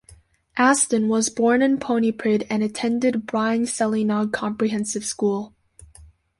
Aston was born in Pontypridd and attended Bryn Celynnog Comprehensive School.